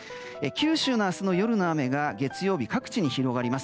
九州の明日の夜の雨が月曜日、各地に広がります。